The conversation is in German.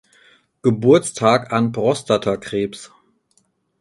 Geburtstag an Prostatakrebs.